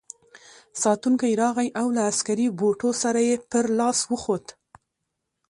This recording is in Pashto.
ساتونکی راغی او له عسکري بوټو سره یې پر لاس وخوت.